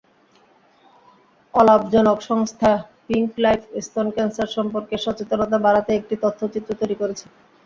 অলাভজনক সংস্থা Pink Life স্তন ক্যানসার সম্পর্কে সচেতনতা বাড়াতে একটি তথ্যচিত্র তৈরি করেছে।